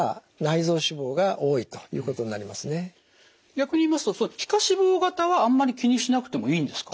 逆に言いますと皮下脂肪型はあんまり気にしなくてもいいんですか？